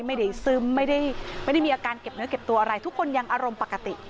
ซึมไม่ได้มีอาการเก็บเนื้อเก็บตัวอะไรทุกคนยังอารมณ์ปกติ